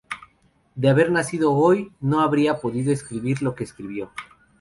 de haber nacido hoy, no habría podido escribir lo que escribió